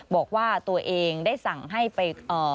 บอกว่าตัวเองได้สั่งให้ไป